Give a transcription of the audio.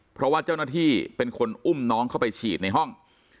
เพราะว่าเจ้าหน้าที่เป็นคนอุ้มน้องเข้าไปฉีดในห้อง